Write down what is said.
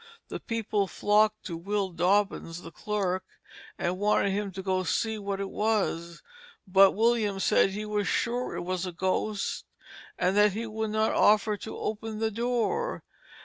The people flocked to Will Dobbins, the Clerk, and wanted him to go and see what it was; but William said he was sure it was a ghost, and that he would not offer to open the door.